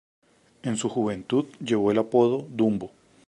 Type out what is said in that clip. En su juventud llevó el apodo Dumbo.